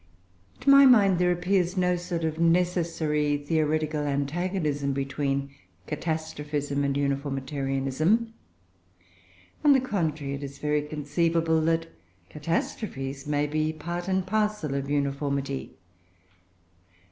To my mind there appears to be no sort of necessary theoretical antagonism between Catastrophism and Uniformitarianism. On the contrary, it is very conceivable that catastrophes may be part and parcel of uniformity.